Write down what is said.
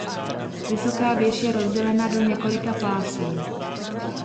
Vysoká věž je rozdělena do několika pásů.